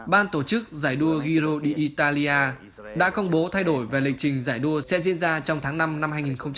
ban tổ chức giải đua giro di italia đã công bố thay đổi về lịch trình giải đua xe diễn ra trong tháng năm năm hai nghìn một mươi tám